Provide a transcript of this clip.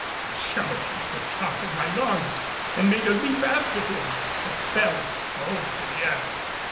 I shouted at the top of my lungs and made a leap after him, but fell prone to the earth.